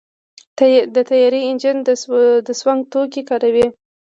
د طیارې انجن د سونګ توکي کاروي.